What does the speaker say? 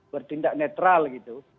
bertindak netral gitu